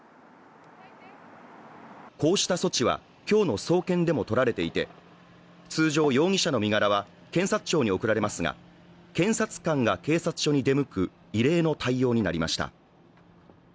こうした措置は今日の送検でもとられていて通常、容疑者の身柄は検察庁に送られますが検察官が警察署に出向く異例の対応になりました。